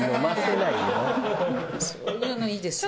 そういうのいいですよ。